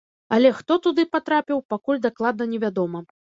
Але хто туды патрапіў, пакуль дакладна не вядома.